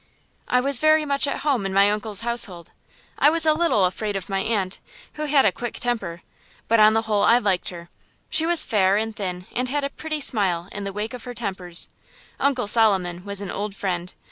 I was very much at home in my uncle's household. I was a little afraid of my aunt, who had a quick temper, but on the whole I liked her. She was fair and thin and had a pretty smile in the wake of her tempers. Uncle Solomon was an old friend.